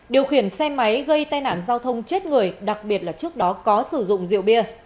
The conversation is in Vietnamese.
điều khiển xe máy gây tai nạn giao thông chết người đặc biệt là trước đó có sử dụng rượu bia